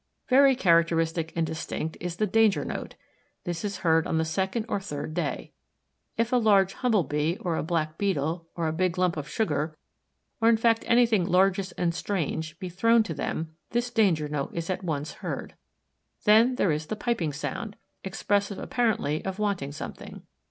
Very characteristic and distinct is the danger note. This is heard on the second or third day. If a large Humble bee, or a black Beetle, or a big lump of sugar, or in fact anything largish and strange, be thrown to them this danger note is at once heard. Then there is the piping sound, expressive apparently of wanting something.